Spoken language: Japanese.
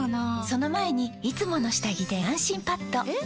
その前に「いつもの下着で安心パッド」え？！